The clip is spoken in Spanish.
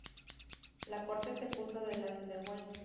La corte se puso del lado de White..